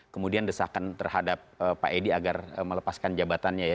kemudian desakan terhadap pak edi agar melepaskan jabatannya ya